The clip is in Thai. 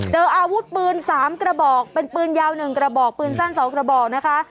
เจออาวุธปืน๓กระบอกเป็นปืนยาว๑กระบอกปืนสั้น๒กระบอกนะคะ